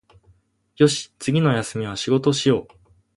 よし、次の休みは仕事しよう